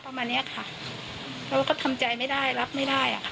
ประมาณเนี้ยค่ะเราก็ทำใจไม่ได้รับไม่ได้อ่ะค่ะ